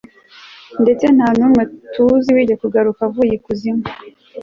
ndetse nta n'umwe tuzi wigeze kugaruka avuye ikuzimu